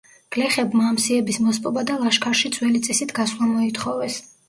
გლეხებმა ამ სიების მოსპობა და ლაშქარში ძველი წესით გასვლა მოითხოვეს.